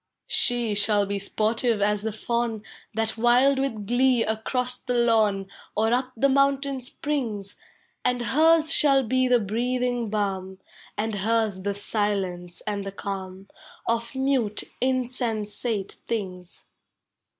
" She shall be sportive as the fawn That wild with glee across the lawn Or up the mountain springs; And hers shall be the breathing balm. And hers the silence and the calm, Of mute insensate things.